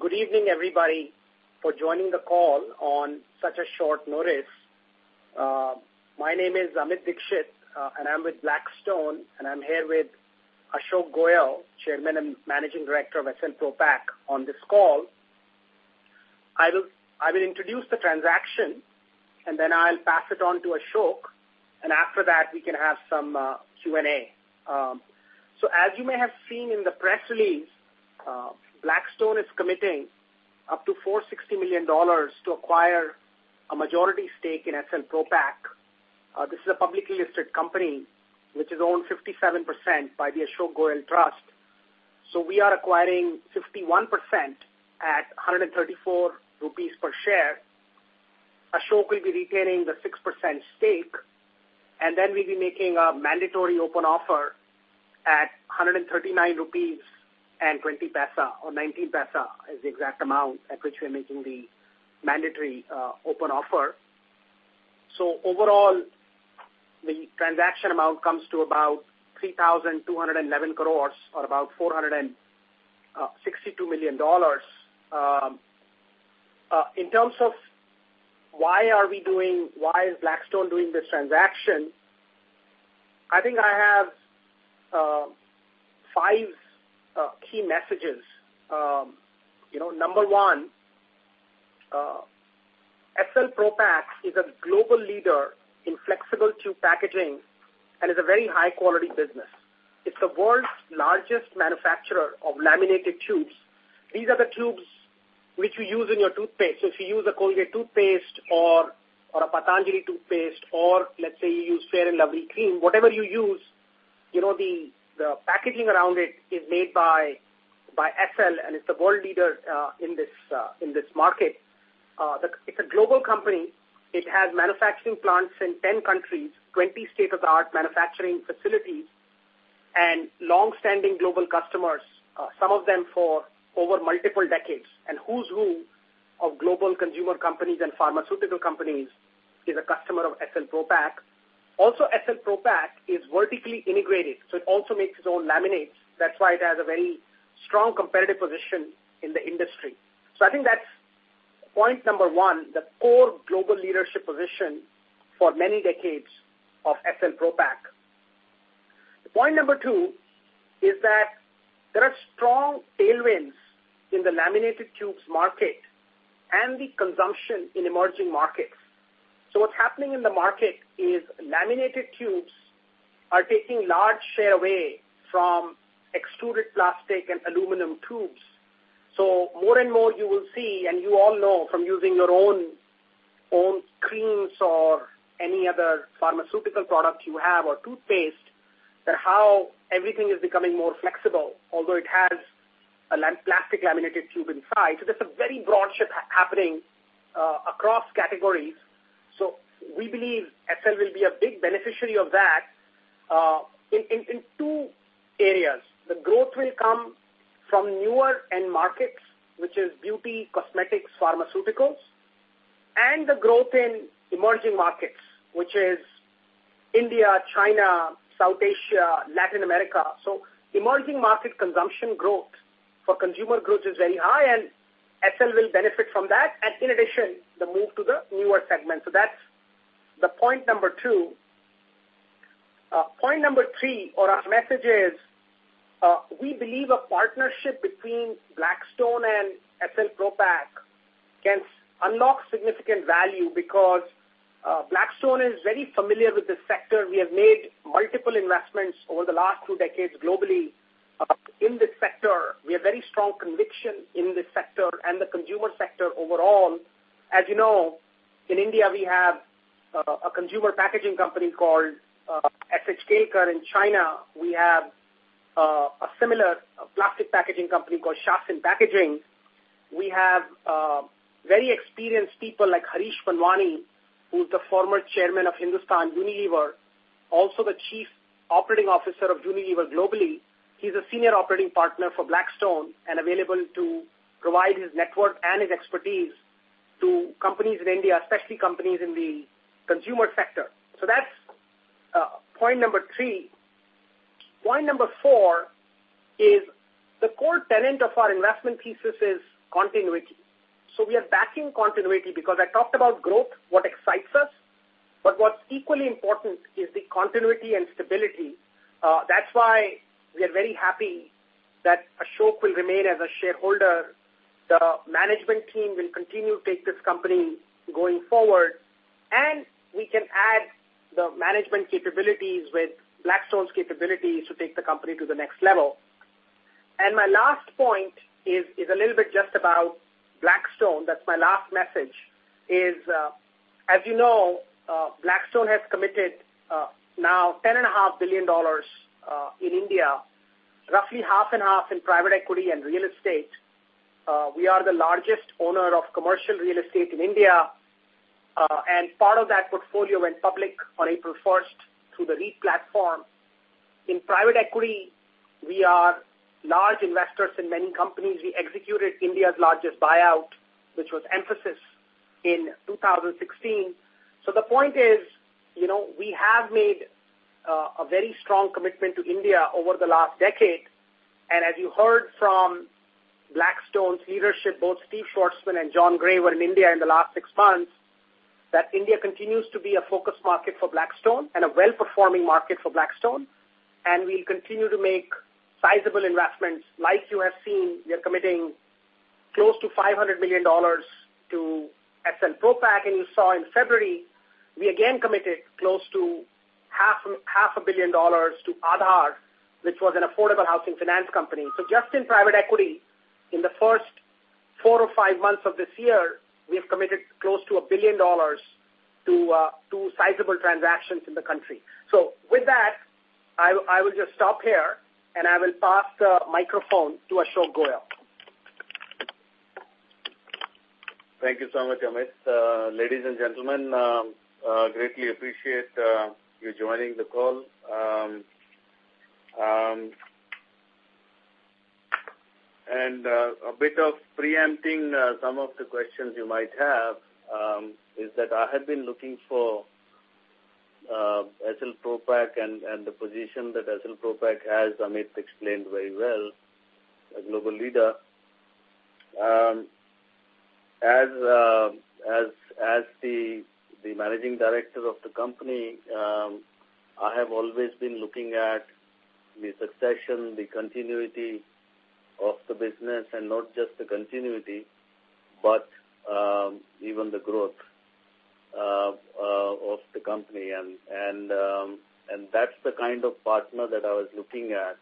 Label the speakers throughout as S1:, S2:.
S1: Good evening everybody for joining the call on such a short notice. My name is Amit Dixit, and I'm with Blackstone, and I'm here with Ashok Goel, Chairman and Managing Director of Essel Propack on this call. I will introduce the transaction, and then I'll pass it on to Ashok, and after that, we can have some Q&A. As you may have seen in the press release, Blackstone is committing up to $460 million to acquire a majority stake in Essel Propack. This is a publicly listed company, which is owned 57% by the Ashok Goel Trust. We are acquiring 51% at 134 rupees per share. Ashok will be retaining the 6% stake, and then we'll be making a mandatory open offer at 139.19 rupees is the exact amount at which we are making the mandatory open offer. Overall, the transaction amount comes to about 3,211 crores or about $462 million. In terms of why is Blackstone doing this transaction? I think I have five key messages. Number 1, Essel Propack is a global leader in flexible tube packaging and is a very high-quality business. It's the world's largest manufacturer of laminated tubes. These are the tubes which you use in your toothpaste. If you use a Colgate toothpaste or a Patanjali toothpaste or let's say you use Fair & Lovely cream, whatever you use, the packaging around it is made by Essel, and it's the world leader in this market. It's a global company. It has manufacturing plants in 10 countries, 20 state-of-the-art manufacturing facilities, and long-standing global customers, some of them for over multiple decades. Who's who of global consumer companies and pharmaceutical companies is a customer of Essel Propack. Also, Essel Propack is vertically integrated, so it also makes its own laminates. That's why it has a very strong competitive position in the industry. I think that's point 1, the core global leadership position for many decades of Essel Propack. Point 2 is that there are strong tailwinds in the laminated tubes market and the consumption in emerging markets. What's happening in the market is laminated tubes are taking large share away from extruded plastic and aluminum tubes. More and more you will see, and you all know from using your own creams or any other pharmaceutical products you have or toothpaste, that how everything is becoming more flexible, although it has a plastic laminated tube inside. There's a very broad shift happening across categories. We believe Essel will be a big beneficiary of that in two areas. The growth will come from newer end markets, which is beauty, cosmetics, pharmaceuticals, and the growth in emerging markets, which is India, China, South Asia, Latin America. Emerging market consumption growth for consumer goods is very high, and Essel will benefit from that. In addition, the move to the newer segment. That's the point 2. Point 3 or our message is, we believe a partnership between Blackstone and Essel Propack can unlock significant value because Blackstone is very familiar with this sector. We have made multiple investments over the last two decades globally in this sector. We have very strong conviction in this sector and the consumer sector overall. As you know, in India, we have a consumer packaging company called FHK. In China, we have a similar plastic packaging company called Shya Hsin Packaging. We have very experienced people like Harish Manwani, who's the former chairman of Hindustan Unilever, also the chief operating officer of Unilever globally. He's a senior operating partner for Blackstone and available to provide his network and his expertise to companies in India, especially companies in the consumer sector. That's point number three. Point number four is the core tenet of our investment thesis is continuity. We are backing continuity because I talked about growth, what excites us. What's equally important is the continuity and stability. That's why we are very happy that Ashok will remain as a shareholder. The management team will continue to take this company going forward, and we can add the management capabilities with Blackstone's capabilities to take the company to the next level. My last point is a little bit just about Blackstone. That's my last message is, as you know, Blackstone has committed now $10.5 billion in India, roughly half and half in private equity and real estate. We are the largest owner of commercial real estate in India. Part of that portfolio went public on April 1st through the REIT platform. In private equity, we are large investors in many companies. We executed India's largest buyout, which was Mphasis in 2016. The point is, we have made a very strong commitment to India over the last decade. As you heard from Blackstone's leadership, both Steve Schwarzman and Jon Gray were in India in the last six months, that India continues to be a focus market for Blackstone and a well-performing market for Blackstone. We'll continue to make sizable investments. Like you have seen, we are committing close to $500 million to Essel Propack, and you saw in February, we again committed close to half a billion dollars to Aadhar, which was an affordable housing finance company. Just in private equity, in the first four or five months of this year, we have committed close to a billion dollars to two sizable transactions in the country. With that, I will just stop here, and I will pass the microphone to Ashok Goel.
S2: Thank you so much, Amit. Ladies and gentlemen, greatly appreciate you joining the call. A bit of preempting some of the questions you might have, is that I have been looking for EPL Limited and the position that EPL Limited, as Amit explained very well, a global leader. As the managing director of the company, I have always been looking at the succession, the continuity of the business, and not just the continuity, but even the growth of the company. That's the kind of partner that I was looking at.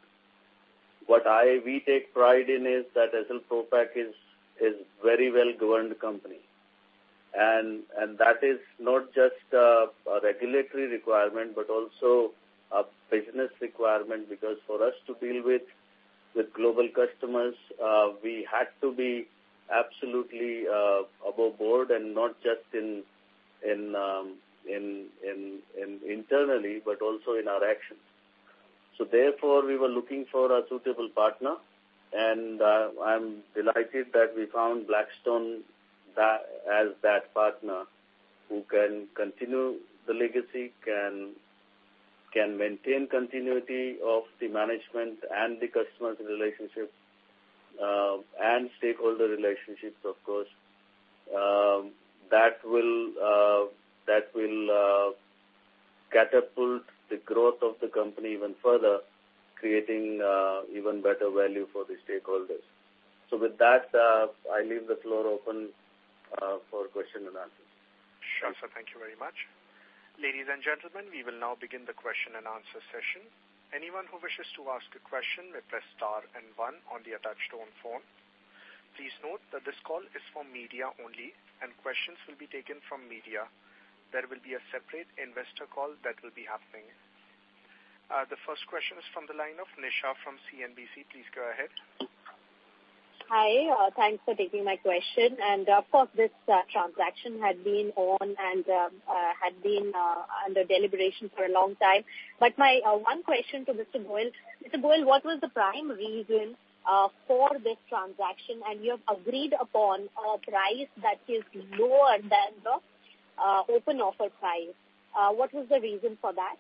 S2: What we take pride in is that EPL Limited is very well-governed company. That is not just a regulatory requirement, but also a business requirement, because for us to deal with global customers, we had to be absolutely above board, and not just internally, but also in our actions. Therefore, we were looking for a suitable partner, I'm delighted that we found Blackstone as that partner who can continue the legacy, can maintain continuity of the management and the customers relationship, and stakeholder relationships, of course. That will catapult the growth of the company even further, creating even better value for the stakeholders. With that, I leave the floor open for question and answers.
S3: Sure, sir. Thank you very much. Ladies and gentlemen, we will now begin the question and answer session. Anyone who wishes to ask a question may press star and one on the attached phone. Please note that this call is for media only, and questions will be taken from media. There will be a separate investor call that will be happening. The first question is from the line of Nisha from CNBC. Please go ahead.
S4: Hi. Thanks for taking my question. Of course, this transaction had been on and had been under deliberation for a long time. My one question to Mr. Goel. Mr. Goel, what was the prime reason for this transaction? You have agreed upon a price that is lower than the open offer price. What was the reason for that?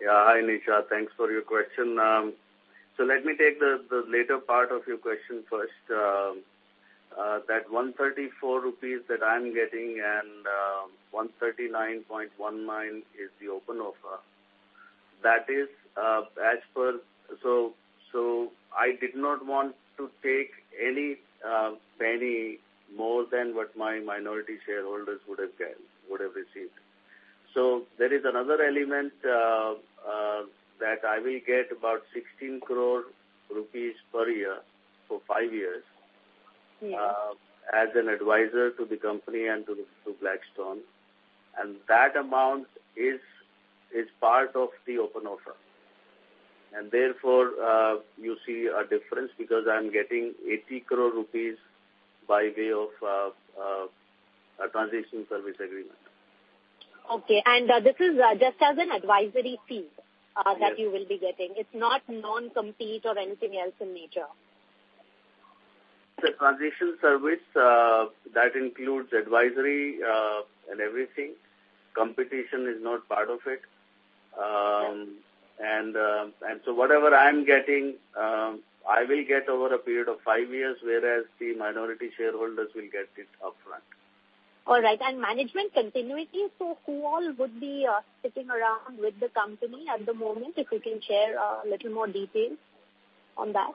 S2: Yeah. Hi, Nisha. Thanks for your question. Let me take the later part of your question first. That 134 rupees that I'm getting and 139.19 is the open offer. I did not want to take any penny more than what my minority shareholders would have received. There is another element that I will get about 16 crore rupees per year for five years.
S4: Yes
S2: as an advisor to the company and to Blackstone. That amount is part of the open offer. Therefore, you see a difference because I'm getting 80 crore rupees by way of a transition service agreement.
S4: Okay. This is just as an advisory fee that you will be getting. It's not non-compete or anything else in nature.
S2: The transition service, that includes advisory and everything. Competition is not part of it. Whatever I am getting, I will get over a period of five years, whereas the minority shareholders will get it upfront.
S4: All right. Management continuity. Who all would be sitting around with the company at the moment, if you can share a little more detail on that?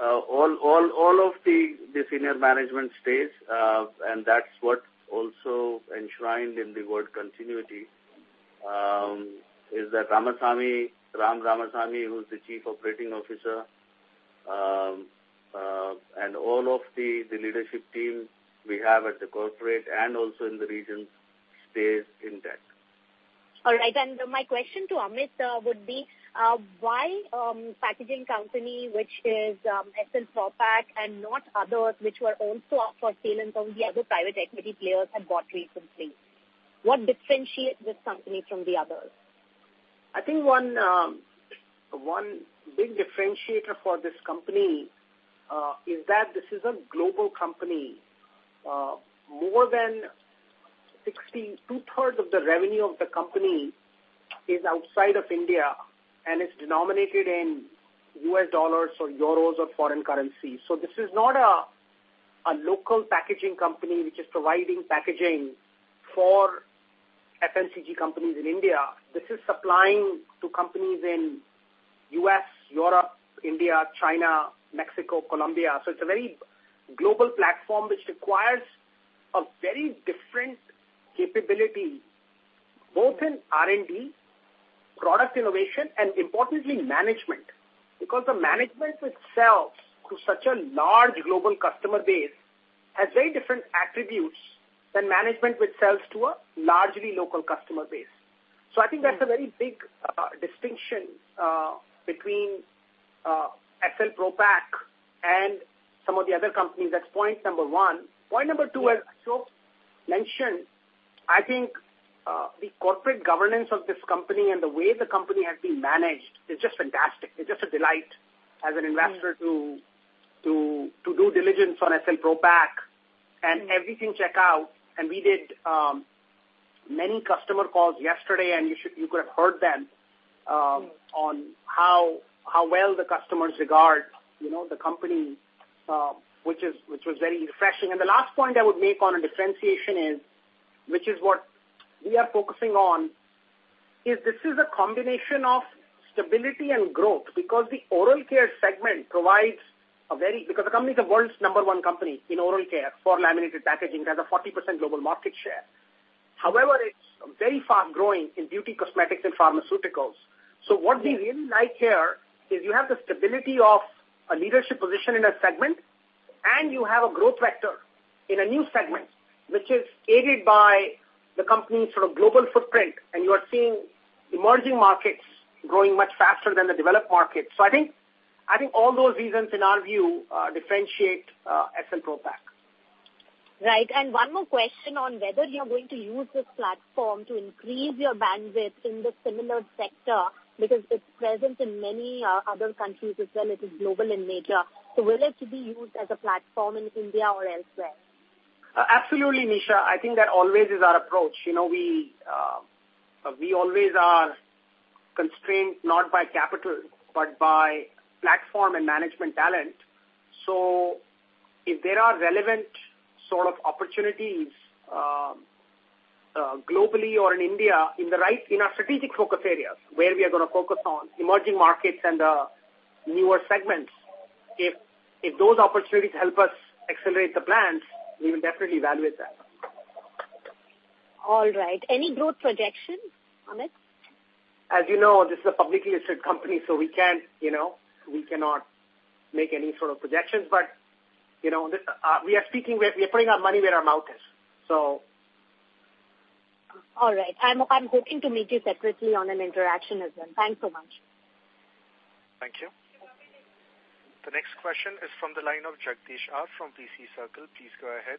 S2: All of the senior management stays, that's what also enshrined in the word continuity, is that Ramasamy, Ram Ramasamy, who's the Chief Operating Officer, and all of the leadership team we have at the corporate and also in the regions stays intact.
S4: All right. My question to Amit would be why packaging company, which is EPL Limited and not others, which were also up for sale and some of the other private equity players had bought recently. What differentiates this company from the others?
S1: I think one big differentiator for this company, is that this is a global company. More than two-thirds of the revenue of the company is outside of India, it's denominated in U.S. dollars or euros or foreign currency. This is not a local packaging company which is providing packaging for FMCG companies in India. This is supplying to companies in U.S., Europe, India, China, Mexico, Colombia. It's a very global platform which requires a very different capability, both in R&D, product innovation, and importantly, management. Because the management which sells to such a large global customer base has very different attributes than management which sells to a largely local customer base. I think that's a very big distinction between EPL Limited and some of the other companies. That's point number one. Point number two, as Ashok mentioned, I think the corporate governance of this company and the way the company has been managed is just fantastic. It's just a delight as an investor to do diligence on EPL Limited and everything check out. We did many customer calls yesterday, and you could have heard them on how well the customers regard the company, which was very refreshing. The last point I would make on a differentiation, which is what we are focusing on, is this is a combination of stability and growth. Because the company is the world's number one company in oral care for laminated packaging. They have a 40% global market share. However, it's very fast-growing in beauty, cosmetics, and pharmaceuticals. What we really like here is you have the stability of a leadership position in a segment, you have a growth vector in a new segment, which is aided by the company's global footprint. You are seeing emerging markets growing much faster than the developed markets. I think all those reasons in our view differentiate EPL Limited.
S4: Right. One more question on whether you're going to use this platform to increase your bandwidth in the similar sector because it's present in many other countries as well, it is global in nature. Will it be used as a platform in India or elsewhere?
S1: Absolutely, Nisha. I think that always is our approach. We always are constrained, not by capital, but by platform and management talent. If there are relevant sort of opportunities globally or in India in our strategic focus areas, where we are going to focus on emerging markets and newer segments. If those opportunities help us accelerate the plans, we will definitely evaluate that.
S4: All right. Any growth projection, Amit?
S1: As you know, this is a publicly listed company. We cannot make any sort of projections. We are putting our money where our mouth is.
S4: All right. I'm hoping to meet you separately on an interaction as well. Thanks so much.
S3: Thank you. The next question is from the line of Jagadish R from VCCircle. Please go ahead.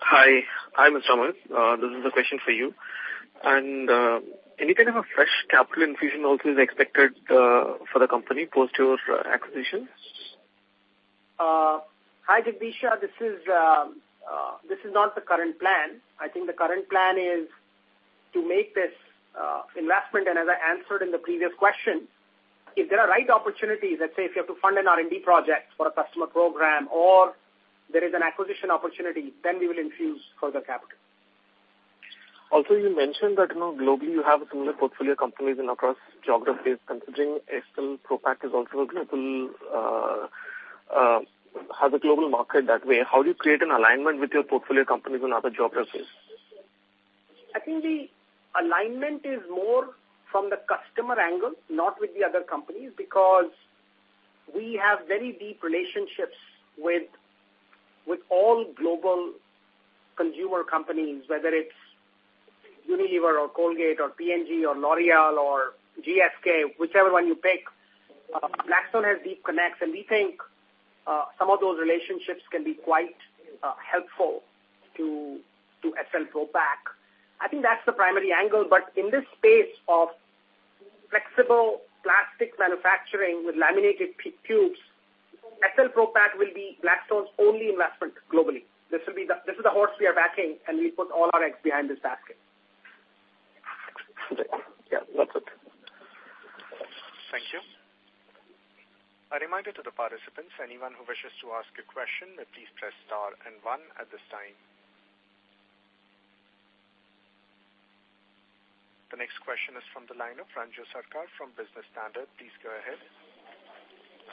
S5: Hi, Mr. Amit. This is a question for you. Any kind of a fresh capital infusion also is expected for the company post your acquisitions?
S1: Hi, Jagadish. This is not the current plan. I think the current plan is to make this investment, and as I answered in the previous question, if there are right opportunities, let's say if you have to fund an R&D project for a customer program or there is an acquisition opportunity, then we will infuse further capital.
S5: Also, you mentioned that globally you have similar portfolio companies across geographies, considering EPL Limited has a global market that way. How do you create an alignment with your portfolio companies on other geographies?
S1: I think the alignment is more from the customer angle, not with the other companies, because we have very deep relationships with all global consumer companies, whether it's Unilever or Colgate or P&G or L'Oréal or GSK, whichever one you pick. Blackstone has deep connects, and we think some of those relationships can be quite helpful to Essel Propack. I think that's the primary angle. In this space of flexible plastic manufacturing with laminated tubes, Essel Propack will be Blackstone's only investment globally. This is the horse we are backing, and we put all our eggs behind this basket.
S5: Excellent. Yeah, that's it.
S3: Thank you. A reminder to the participants, anyone who wishes to ask a question, please press star and one at this time. The next question is from the line of Ranju Sarkar from Business Standard. Please go ahead.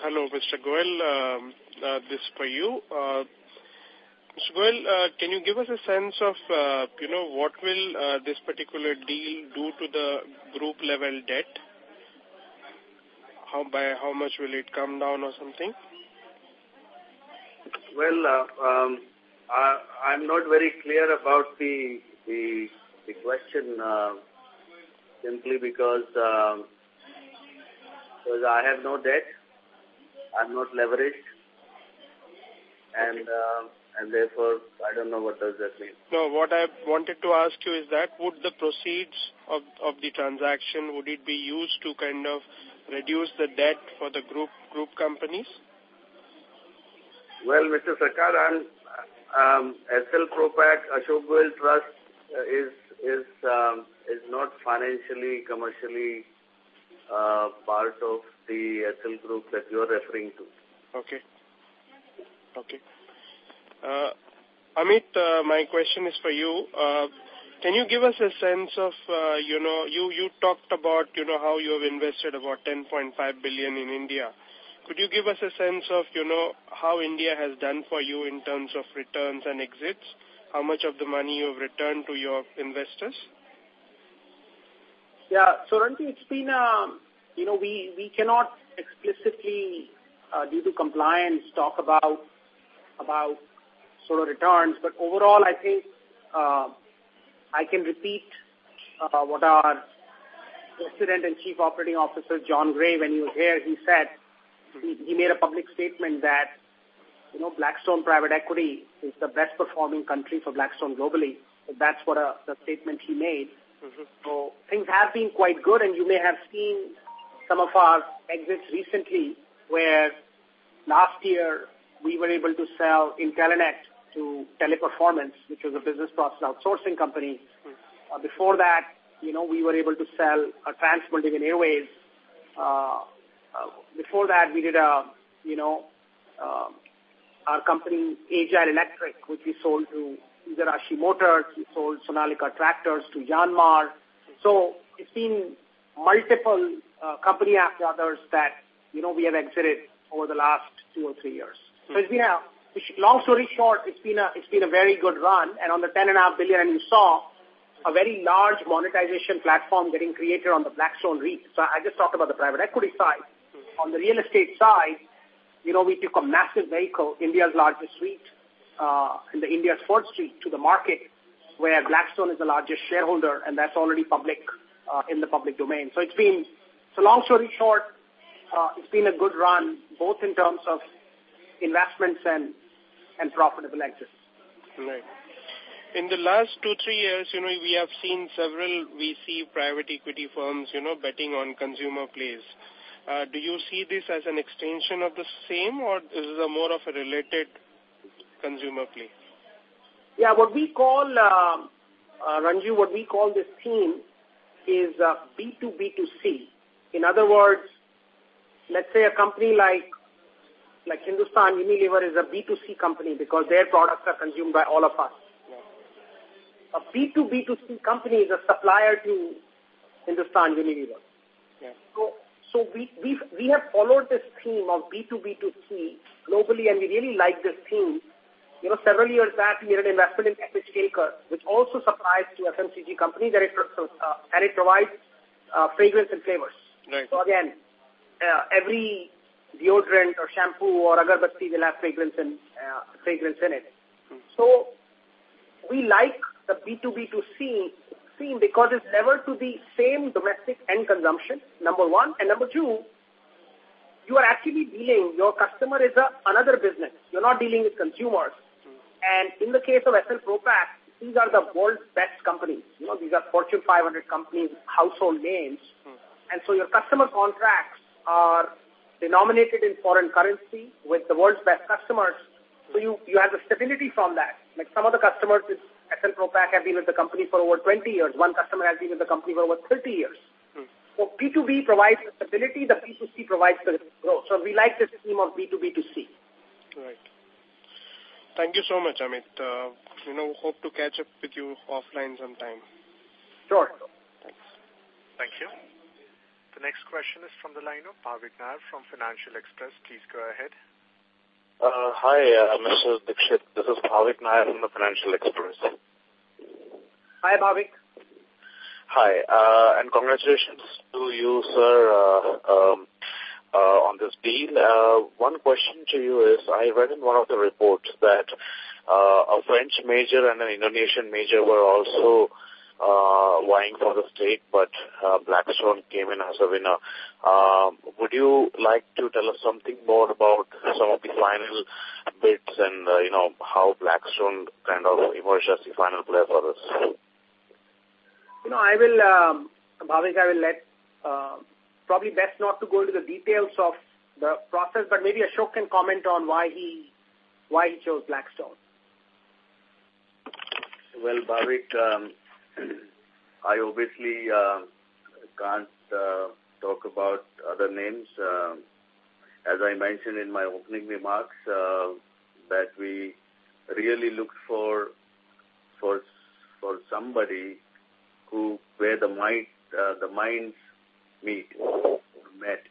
S6: Hello, Mr. Goel. This is for you. Mr. Goel, can you give us a sense of what will this particular deal do to the group-level debt? By how much will it come down or something?
S2: Well, I'm not very clear about the question, simply because I have no debt. I'm not leveraged. Therefore, I don't know what does that mean.
S6: No, what I wanted to ask you is that would the proceeds of the transaction, would it be used to kind of reduce the debt for the group companies?
S2: Well, Mr. Sarkar, EPL Limited, Ashok Goel Trust is not financially, commercially a part of the Essel Group that you are referring to.
S6: Okay. Amit, my question is for you. You talked about how you have invested about $10.5 billion in India. Could you give us a sense of how India has done for you in terms of returns and exits? How much of the money you have returned to your investors?
S1: Yeah. Ranju, we cannot explicitly, due to compliance, talk about sort of returns. Overall, I think I can repeat what our President and Chief Operating Officer, Jon Gray, when he was here, he said. He made a public statement that Blackstone private equity is the best performing country for Blackstone globally. That's what the statement he made. Things have been quite good, and you may have seen some of our exits recently, where last year we were able to sell Intelenet to Teleperformance, which was a business process outsourcing company. Before that, we were able to sell Trans Maldivian Airways. Before that, our company, Agile Electric, which we sold to Eicher Motors. We sold Sonalika Tractors to Yanmar.
S6: Okay.
S1: It's been multiple company after others that we have exited over the last two or three years. Long story short, it's been a very good run. On the $10.5 billion, you saw a very large monetization platform getting created on the Blackstone REIT. I just talked about the private equity side. On the real estate side, we took a massive vehicle, India's largest REIT, and India's fourth REIT to the market, where Blackstone is the largest shareholder, and that's already in the public domain. Long story short, it's been a good run, both in terms of investments and profitable exits.
S6: Right. In the last two, three years, we have seen several VC private equity firms betting on consumer plays. Do you see this as an extension of the same, or is it a more of a related consumer play?
S1: Yeah. Ranju, what we call this theme is B2B2C. In other words, let's say a company like Hindustan Unilever is a B2C company because their products are consumed by all of us.
S6: Yes.
S1: A B2B2C company is a supplier to Hindustan Unilever.
S6: Yes.
S1: We have followed this theme of B2B2C globally, and we really like this theme. Several years back, we made an investment in S H Kelkar, which also supplies to FMCG company, and it provides fragrance and flavors.
S6: Right.
S1: Again, every deodorant or shampoo or agarbatti will have fragrance in it. We like the B2B2C theme because it's never to be same domestic end consumption, number one. Number two, you are actually dealing, your customer is another business. You're not dealing with consumers. In the case of EPL Limited, these are the world's best companies. These are Fortune 500 companies, household names. Your customer contracts are denominated in foreign currency with the world's best customers. You have the stability from that. Like some of the customers with EPL Limited have been with the company for over 20 years. One customer has been with the company for over 30 years. B2B provides the stability, the B2C provides the growth. We like this theme of B2B2C.
S6: Right. Thank you so much, Amit. Hope to catch up with you offline sometime.
S1: Sure.
S6: Thanks.
S3: Thank you. The next question is from the line of Bhavik Nair from Financial Express. Please go ahead.
S7: Hi, Mr. Dixit. This is Bhavik Nair from the Financial Express.
S1: Hi, Bhavik.
S7: Hi. Congratulations to you, sir, on this deal. One question to you is, I read in one of the reports that a French major and an Indonesian major were also vying for the stake, but Blackstone came in as a winner. Would you like to tell us something more about some of the final bids and how Blackstone kind of emerged as the final player for this?
S1: Bhavik, probably best not to go into the details of the process, but maybe Ashok can comment on why he chose Blackstone.
S2: Well, Bhavik, I obviously can't talk about other names. As I mentioned in my opening remarks, that we really look for somebody where the minds meet or met.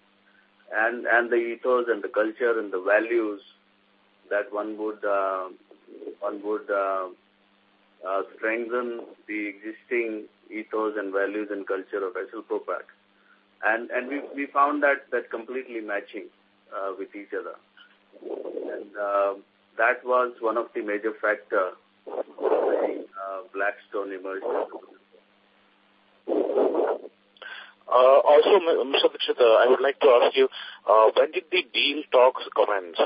S2: The ethos and the culture and the values that one would strengthen the existing ethos and values and culture of EPL Limited. We found that completely matching with each other. That was one of the major factorBlackstone emerged.
S7: Mr. Dixit, I would like to ask you, when did the deal talks commence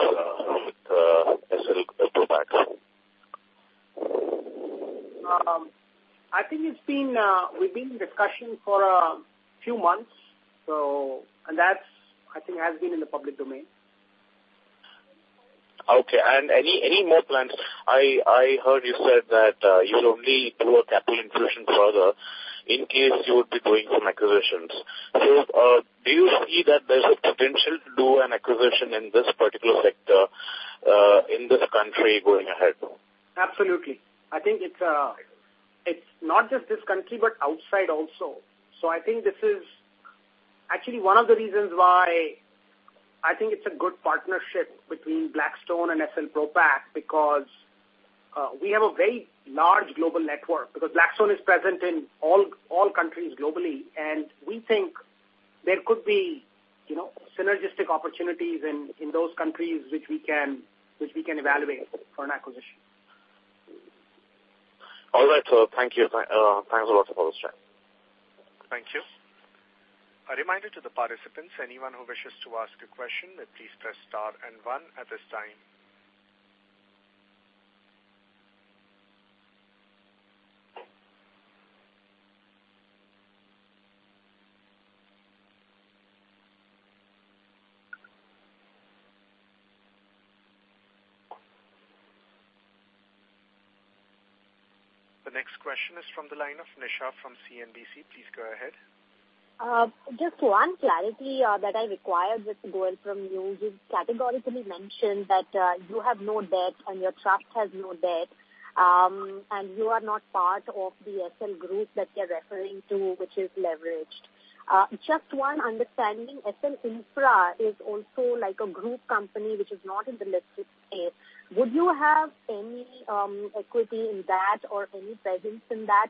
S7: with Essel Propack?
S1: I think we've been in discussion for a few months. That, I think, has been in the public domain.
S7: Okay. Any more plans? I heard you said that you'll only do a capital infusion further in case you would be doing some acquisitions. Do you see that there's a potential to do an acquisition in this particular sector, in this country going ahead?
S1: Absolutely. I think it's not just this country, but outside also. I think this is actually one of the reasons why I think it's a good partnership between Blackstone and Essel Propack, because we have a very large global network. Because Blackstone is present in all countries globally, and we think there could be synergistic opportunities in those countries which we can evaluate for an acquisition.
S7: All right. Thank you. Thanks a lot for this chat.
S3: Thank you. A reminder to the participants, anyone who wishes to ask a question, please press star and one at this time. The next question is from the line of Nisha from CNBC. Please go ahead.
S4: Just one clarity that I require with Goyal from you. You've categorically mentioned that you have no debt and your trust has no debt, and you are not part of the Essel Group that you're referring to, which is leveraged. Just one understanding, Essel Infra is also like a group company which is not in the listed space. Would you have any equity in that or any presence in that?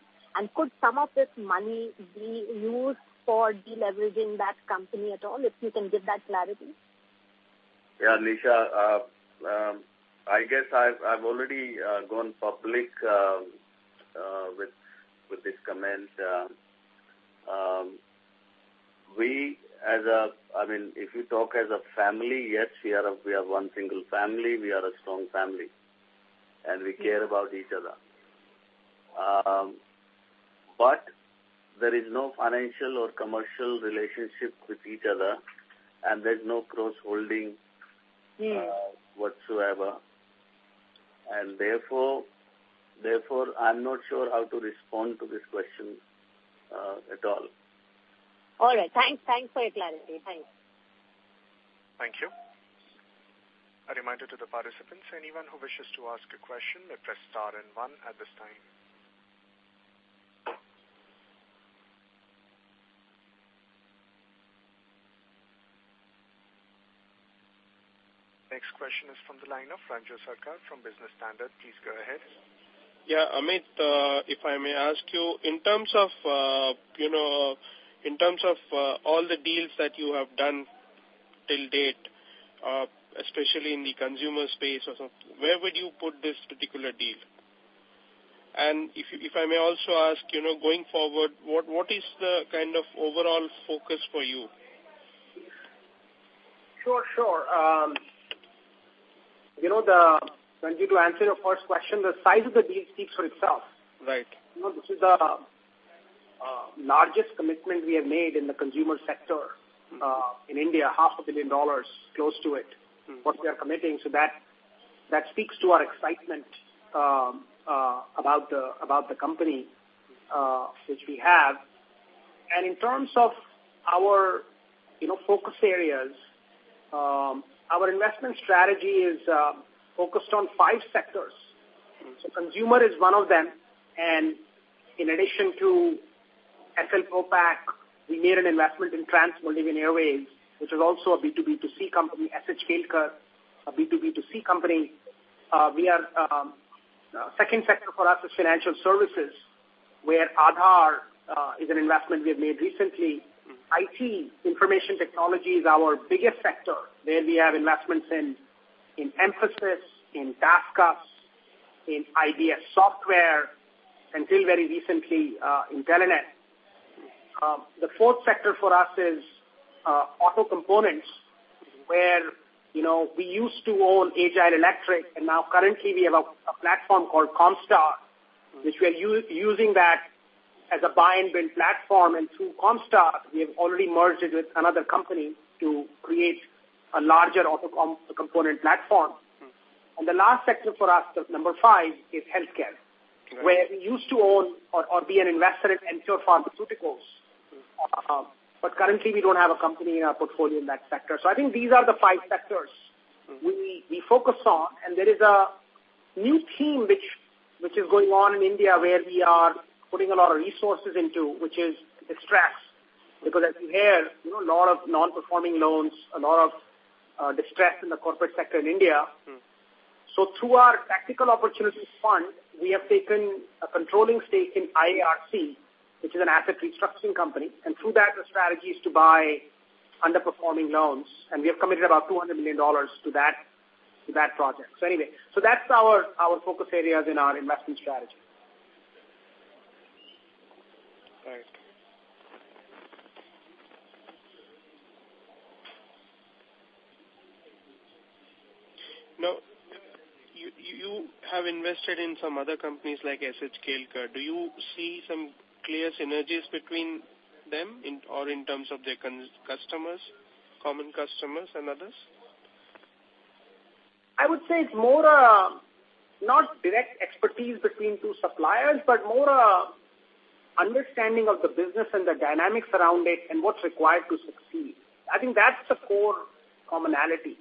S4: Could some of this money be used for de-leveraging that company at all? If you can give that clarity.
S2: Nisha, I guess I've already gone public with this comment. If you talk as a family, yes, we are one single family. We are a strong family, and we care about each other. There is no financial or commercial relationship with each other, and there's no cross-holding whatsoever. Therefore, I'm not sure how to respond to this question at all.
S4: All right. Thanks for your clarity. Thanks.
S3: Thank you. A reminder to the participants, anyone who wishes to ask a question, press star and one at this time. Next question is from the line of Ranju Sarkar from Business Standard. Please go ahead.
S6: Amit, if I may ask you, in terms of all the deals that you have done till date, especially in the consumer space or so, where would you put this particular deal? If I may also ask, going forward, what is the kind of overall focus for you?
S1: Sure. Ranju, to answer your first question, the size of the deal speaks for itself.
S6: Right.
S1: This is the largest commitment we have made in the consumer sector in India, half a billion dollars close to it. What we are committing. That speaks to our excitement about the company which we have. In terms of our focus areas, our investment strategy is focused on five sectors. Consumer is one of them, and in addition to Essel Propack, we made an investment in Trans Himalayan Airways, which is also a B2B2C company. S.H. Kelkar, a B2B2C company. Second sector for us is financial services, where Aadhar is an investment we have made recently. IT, information technology, is our biggest sector. There we have investments in Mphasis, in TaskUs, in IBS Software, until very recently, in Intelenet. The fourth sector for us is auto components, where we used to own Agile Electric, and now currently we have a platform called Comstar, which we are using that as a buy and build platform. Through Comstar, we have already merged with another company to create a larger auto component platform. The last sector for us, number 5, is healthcare, where we used to own or be an investor in Emcure Pharmaceuticals. Currently, we don't have a company in our portfolio in that sector. I think these are the five sectors we focus on, there is a new theme which is going on in India, where we are putting a lot of resources into, which is distress. Because as you hear, a lot of non-performing loans, a lot of distress in the corporate sector in India. Through our tactical opportunities fund, we have taken a controlling stake in IARC, which is an asset restructuring company. Through that, the strategy is to buy underperforming loans, and we have committed about $200 million to that project. Anyway, that's our focus areas in our investment strategy.
S6: Right. Now, you have invested in some other companies like S H Kelkar. Do you see some clear synergies between them or in terms of their common customers and others?
S1: I would say it's more, not direct expertise between two suppliers, but more understanding of the business and the dynamics around it and what's required to succeed. I think that's the core commonality.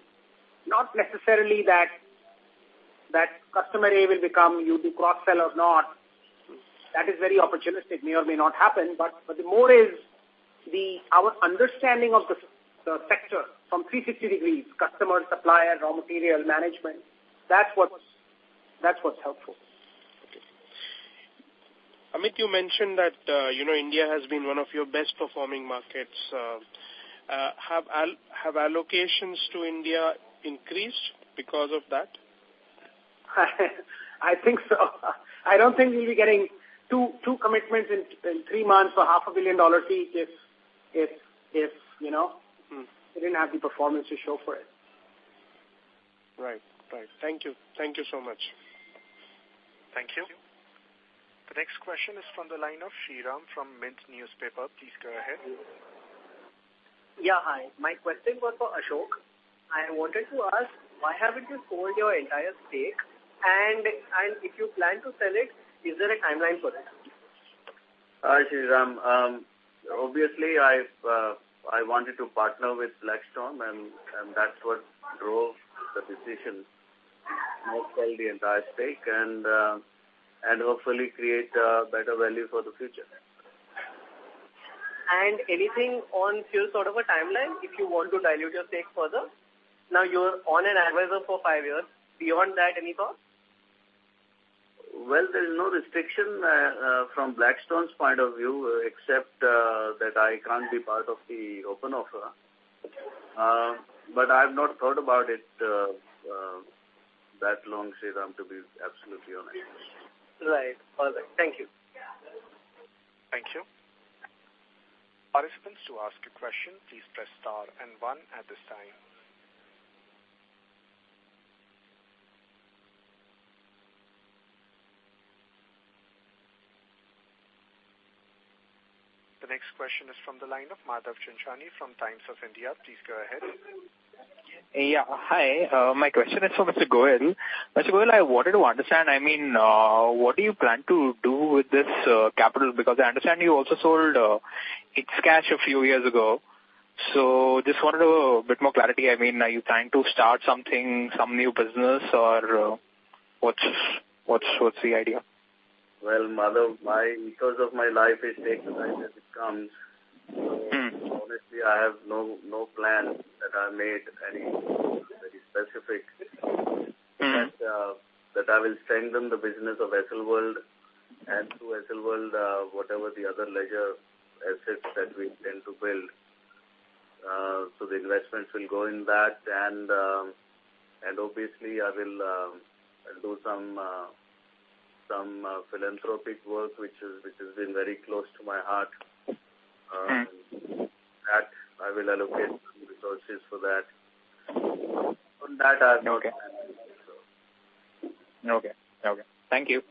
S1: Not necessarily that customer A will become you do cross-sell or not. That is very opportunistic. May or may not happen, but the more is our understanding of the sector from 360 degrees, customer, supplier, raw material, management. That's what's helpful.
S6: Okay. Amit, you mentioned that India has been one of your best performing markets. Have allocations to India increased because of that?
S1: I think so. I don't think we'll be getting two commitments in three months for half a billion dollar piece if we didn't have the performance to show for it.
S6: Right. Thank you so much.
S3: Thank you. The next question is from the line of Shriram from Mint newspaper. Please go ahead.
S8: Yeah, hi. My question was for Ashok. I wanted to ask, why haven't you sold your entire stake? If you plan to sell it, is there a timeline for that?
S2: Hi, Shriram. Obviously, I wanted to partner with Blackstone, and that's what drove the decision, not sell the entire stake, and hopefully create better value for the future.
S8: Anything on sale sort of a timeline, if you want to dilute your stake further? Now you're on an advisor for five years. Beyond that, any thoughts?
S2: Well, there's no restriction from Blackstone's point of view except that I can't be part of the open offer. I've not thought about it that long, Shriram, to be absolutely honest.
S8: Right. All right. Thank you.
S3: Thank you. Participants who ask a question, please press star and one at this time. The next question is from the line of Madhav Chanchani from Times of India. Please go ahead.
S9: My question is for Mr. Goyal. Mr. Goyal, I wanted to understand, what do you plan to do with this capital? I understand you also sold ItzCash a few years ago. Just wanted a bit more clarity. Are you trying to start something, some new business or what's the idea?
S2: Well, Madhav, because of my life is take as it comes. Honestly, I have no plan that I made any very specific. I will strengthen the business of Essel World and through Essel World, whatever the other leisure assets that we intend to build. The investments will go in that, and obviously I will do some philanthropic work, which has been very close to my heart. That I will allocate some resources for that.
S9: Okay.
S2: I think so.
S9: Okay. Thank you.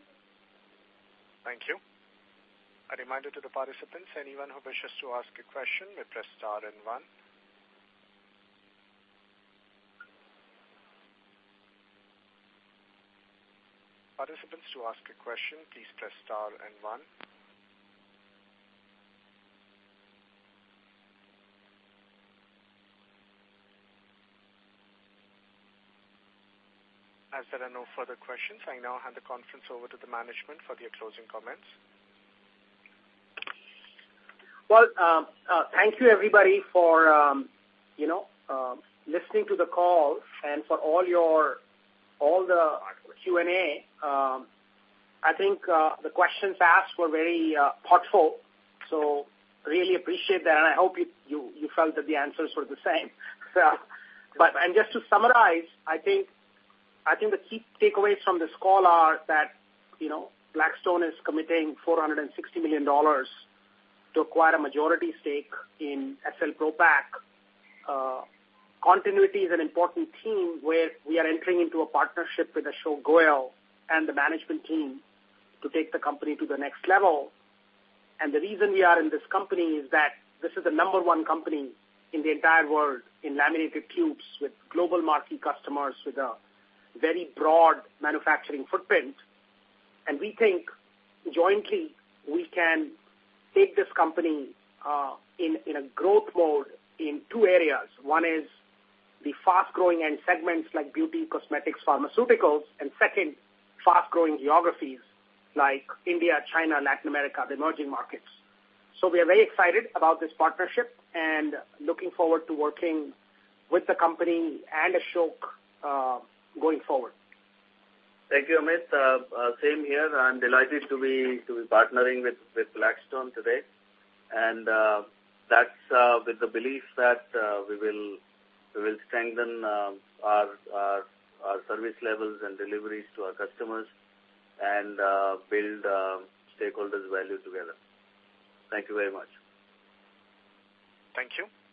S3: Thank you. A reminder to the participants, anyone who wishes to ask a question may press star and one. Participants who ask a question, please press star and one. As there are no further questions, I now hand the conference over to the management for their closing comments.
S1: Thank you everybody for listening to the call and for all the Q&A. I think the questions asked were very thoughtful, so really appreciate that, and I hope you felt that the answers were the same. Just to summarize, I think the key takeaways from this call are that Blackstone is committing $460 million to acquire a majority stake in EPL Limited. Continuity is an important theme where we are entering into a partnership with Ashok Goel and the management team to take the company to the next level. The reason we are in this company is that this is the number 1 company in the entire world in laminated tubes with global marquee customers, with a very broad manufacturing footprint. We think jointly, we can take this company in a growth mode in 2 areas. One is the fast-growing end segments like beauty, cosmetics, pharmaceuticals, and second, fast-growing geographies like India, China, Latin America, the emerging markets. We are very excited about this partnership and looking forward to working with the company and Ashok going forward.
S2: Thank you, Amit. Same here. I'm delighted to be partnering with Blackstone today, and that's with the belief that we will strengthen our service levels and deliveries to our customers and build stakeholders' value together. Thank you very much.
S3: Thank you.